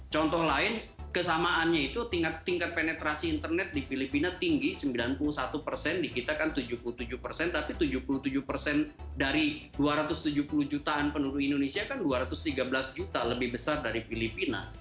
contoh lain kesamaannya itu tingkat penetrasi internet di filipina tinggi sembilan puluh satu di kita kan tujuh puluh tujuh tapi tujuh puluh tujuh dari dua ratus tujuh puluh jutaan penduduk indonesia kan dua ratus tiga belas juta lebih besar dari filipina